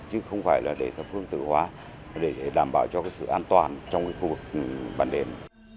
chứ không phải là để phương tự hóa để đảm bảo cho sự an toàn trong khu vực bản đền